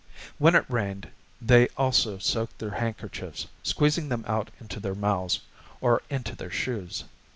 When it rained, they also soaked their handkerchiefs, squeezing them out into their mouths or into their shoes.